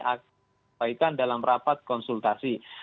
sampaikan dalam rapat konsultasi